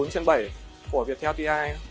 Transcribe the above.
hai trăm bốn mươi bảy của viettel t i